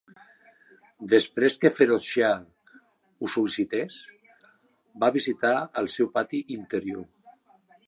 Després que Ferozshah ho sol·licités, va visitar el seu pati interior.